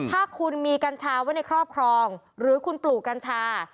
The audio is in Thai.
ถ้าคุณมีกัญชาไว้ในครอบครองหรือคุณปลูกกัญชา